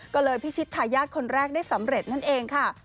ก็เลยพิชิตทายาทคนแรกได้สำเร็จนั่นเองค่ะ